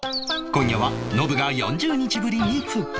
今夜はノブが４０日ぶりに復活